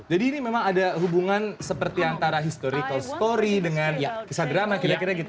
jadi ini memang ada hubungan seperti antara historical story dengan kisah drama kira kira gitu